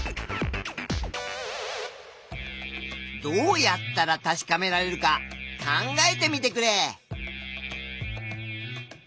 どうやったら確かめられるか考えてみてくれ。